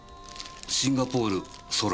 「シンガポール空」。